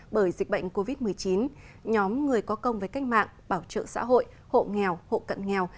bởi dịch bệnh covid một mươi chín nhóm người có công với cách mạng bảo trợ xã hội hộ nghèo hộ cận nghèo